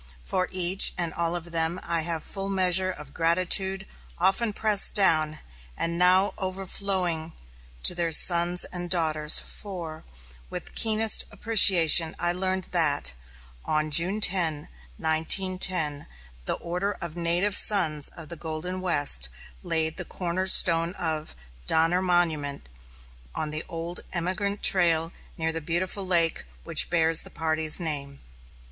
For each and all of them I have full measure of gratitude, often pressed down, and now overflowing to their sons and daughters, for, with keenest appreciation I learned that, on June 10, 1910, the order of Native Sons of the Golden West laid the corner stone of "Donner Monument," on the old emigrant trail near the beautiful lake which bears the party's name.